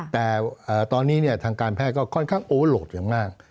แต่ตอนนี้ทางการแพทย์ก็ค่อนข้างโอโหลดอย่างมาก